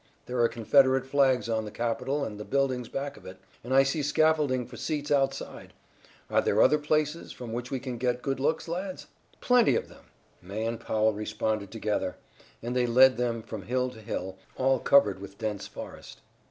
There are Confederate flags on the Capitol and the buildings back of it, and I see scaffolding for seats outside. Are there other places from which we can get good looks, lads?" "Plenty of them," May and Powell responded together, and they led them from hill to hill, all covered with dense forest.